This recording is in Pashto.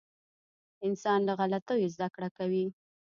• انسان له غلطیو زده کړه کوي.